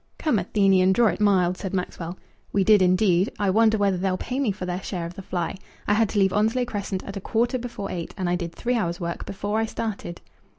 "Come, Athenian, draw it mild," said Maxwell. "We did, indeed. I wonder whether they'll pay me their share of the fly. I had to leave Onslow Crescent at a quarter before eight, and I did three hours' work before I started."